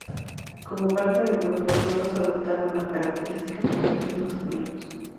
Como parte del grupo, todos adoptaron las características de porristas masculinos.